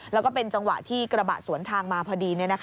แล้วก็เป็นจังหวะที่กระบะสวนทางมาพอดี